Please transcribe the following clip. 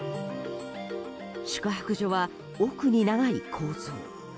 宿泊所は奥に長い構造。